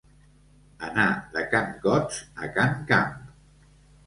Anar de can Cots a can Camp.